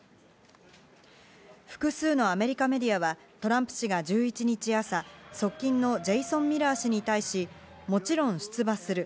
複数のアメリカメディアはトランプ氏が１１日朝、側近のジェイソン・ミラー氏に対し、もちろん出馬する。